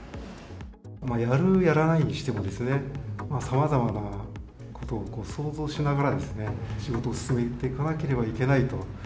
やる、やらないにしてもですね、さまざまなことを想像しながらですね、仕事を進めていかなければいけないと。